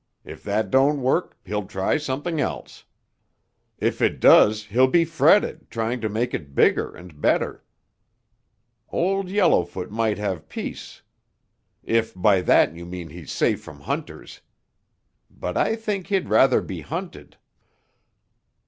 If that don't work, he'll try something else. If it does, he'll be fretted trying to make it bigger and better. Old Yellowfoot might have peace if by that you mean he's safe from hunters. But I think he'd rather be hunted."